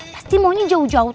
pasti maunya jauh jauh